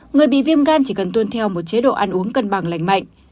người bị viêm gan chỉ cần tuân theo một chế độ ăn uống cân bằng lành mạnh